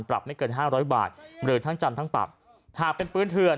ไม่เกินห้าร้อยบาทหรือทั้งจำทั้งปรับหากเป็นปืนเถื่อน